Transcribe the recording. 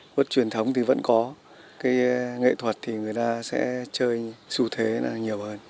cốt truyền thống thì vẫn có cái nghệ thuật thì người ta sẽ chơi dù thế là nhiều hơn